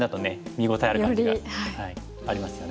見応えある感じがありますよね。